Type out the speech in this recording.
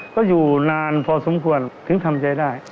ก็อยู่นานพอสมควรถึงทำใจได้